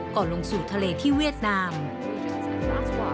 ลงสู่ทะเลที่เวียดนาม